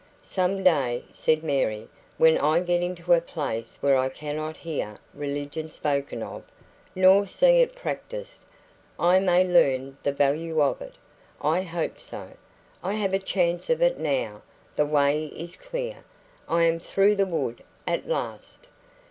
"Some day," said Mary, "when I get into a place where I cannot hear religion spoken of, nor see it practised, I may learn the value of it. I hope so. I have a chance of it now the way is clear. I am through the wood at last."